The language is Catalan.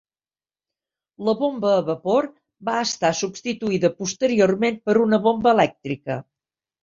La bomba a vapor va estar substituïda posteriorment per una bomba elèctrica.